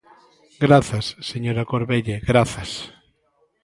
Grazas, señora Corvelle, grazas.